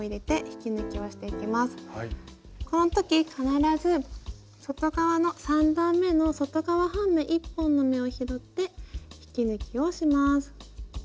この時必ず外側の３段めの外側半目１本の目を拾って引き抜きをします。